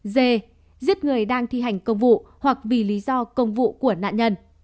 d giết người đang thi hành công vụ hoặc vì lý do công vụ của nạn nhân